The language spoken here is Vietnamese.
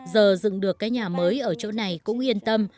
giờ dựng được cái nhà mới ở chỗ này cũng yên tâm